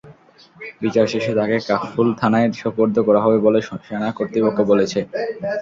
বিচার শেষে তাঁকে কাফরুল থানায় সোপর্দ করা হবে বলে সেনা কর্তৃপক্ষ বলেছে।